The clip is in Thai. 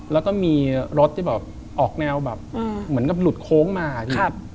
แล้วก็มีรถที่แบบออกแนวแบบเหมือนกับหลุดโค้งมาพี่